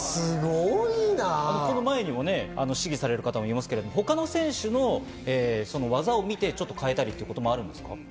この前にも試技された方もいますけど、他の選手の技を見てちょっと変えたりっていうこともあるんですか？